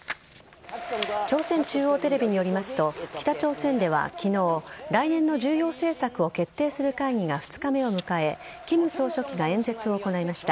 朝鮮中央テレビによりますと北朝鮮では昨日来年の重要政策を決定する会議が２日目を迎え金総書記が演説を行いました。